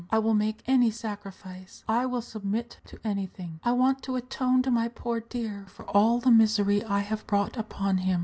I will make any sacrifice; I will submit to anything. I want to atone to my poor dear for all the misery I have brought upon him."